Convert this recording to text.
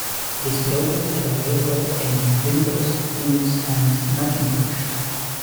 This program is available in Windows, Linux, and Macintosh.